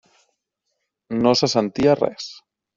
No se sentia res.